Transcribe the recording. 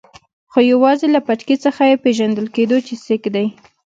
خو یوازې له پټکي څخه یې پېژندل کېدو چې سېک دی.